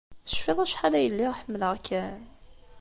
Tecfiḍ acḥal ay lliɣ ḥemmleɣ-kem?